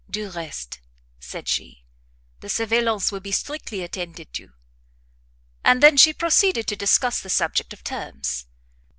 "Du reste," said she, "the surveillance will be strictly attended to." And then she proceeded to discuss the subject of terms.